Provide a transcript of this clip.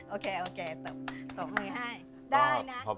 โอเคโอเคโต๊ะมื้อให้ได้นะ